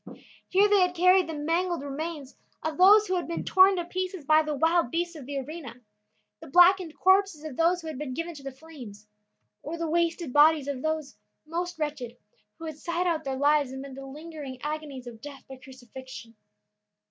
Here they had carried the mangled remains of those who had been torn to pieces by the wild beasts of the arena; the blackened corpses of those who had been given to the flames; or the wasted bodies of those most wretched who had sighed out their lives amid the lingering agonies of death by crucifixion.